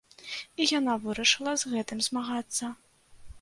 І яна вырашыла з гэтым змагацца.